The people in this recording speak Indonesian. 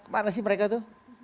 mana sih mereka tuh